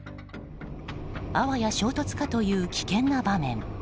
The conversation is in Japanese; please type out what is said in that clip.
あわや衝突かという危険な場面。